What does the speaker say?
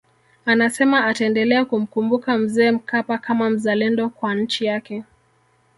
Anasema ataendelea kumkumbuka Mzee Mkapa kama mzalendo kwa nchi yake